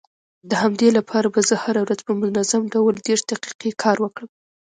د همدې لپاره به زه هره ورځ په منظم ډول دېرش دقيقې کار وکړم.